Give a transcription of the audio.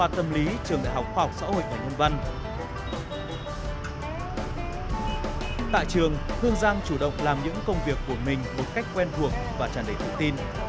tại trường hương giang chủ động làm những công việc của mình một cách quen thuộc và tràn đầy thông tin